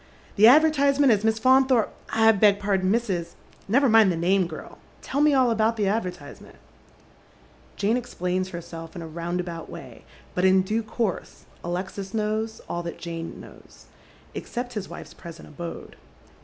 "" The advertisement as Miss Faunthoi pe — I beg pardon, Mrs. It " Never mind the name, g^l. Tell me all about the advertise ment." Jane explains herself in a roundabout way, but in due course Alexis knows all that Jane knows, except his wife's present abode.